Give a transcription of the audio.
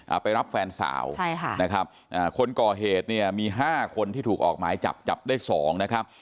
ไปรับแฟนสาวใช่ค่ะนะครับอ่าคนก่อเหตุเนี่ยมีห้าคนที่ถูกออกหมายจับจับได้สองนะครับ